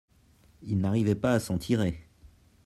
il n'arrivait pas à s'en tirer.